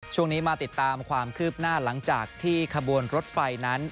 ช่วงนี้มาติดตามความคืบหน้าหลังจากที่ขบวนรถไฟนั้น